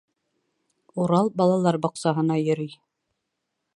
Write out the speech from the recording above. Урал балалар баҡсаһына йөрөй